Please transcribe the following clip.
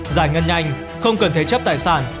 giải ngân nhanh không cần thế chấp tài sản